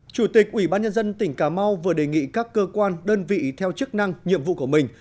chủ tịch ủy ban nhân dân tỉnh cà mau vừa đề nghị các cơ quan đơn vị theo chức năng nhiệm vụ của mình